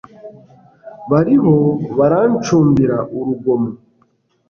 bariho barancumbira urugomo